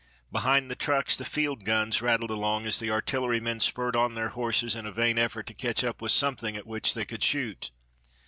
Behind the trucks the field guns rattled along as the artillerymen spurred on their horses in a vain effort to catch up with something at which they could shoot.